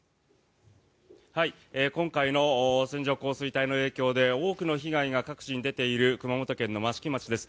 今回の線状降水帯の影響で多くの被害が各地に出ている熊本県の益城町です。